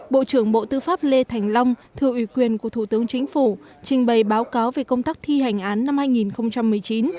bộ trưởng bộ tư pháp lê thành long thừa ủy quyền của thủ tướng chính phủ trình bày báo cáo về công tác thi hành án năm hai nghìn một mươi chín